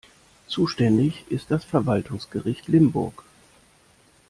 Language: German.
Zuständig ist das Verwaltungsgericht Limburg.